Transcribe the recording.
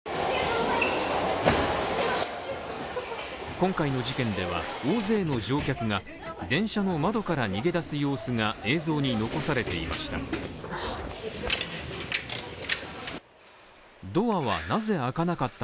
今回の事件では、大勢の乗客が電車の窓から逃げ出す様子が映像に残されていました。